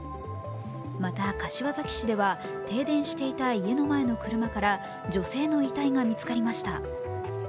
また柏崎市では停電していた家の前の車から女性の遺体が見つかりました。